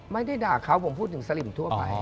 ไม่ได้ด่าเขาผมพูดถึงสลิมทั่วไป